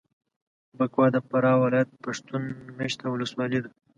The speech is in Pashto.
بکوا د فراه ولایت پښتون مېشته ولسوالي ده.